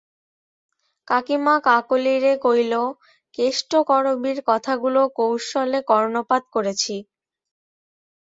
কাকীমা কাকলীরে কইল, কেষ্ট-করবীর কথাগুলো কৌশলে কর্ণপাত করেছি।